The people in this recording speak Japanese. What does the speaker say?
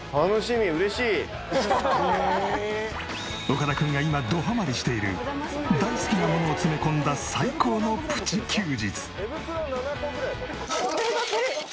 岡田君が今どハマりしている大好きなものを詰め込んだ最高のプチ休日。